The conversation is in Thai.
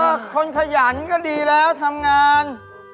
ก็คนขยันก็ดีแล้วทำงาน